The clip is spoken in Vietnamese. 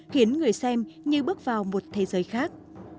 khiến người xem như bước vào một thế giới khác